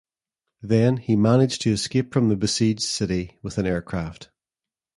Then he managed to escape from the besieged city with an aircraft.